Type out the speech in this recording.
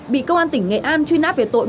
bị công an tỉnh nghệ an truy nã về tội